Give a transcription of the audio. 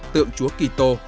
tượng chúa kỳ tô